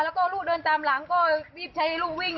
แล้วก็ลูกเดินตามหลังก็รีบใช้ลูกวิ่ง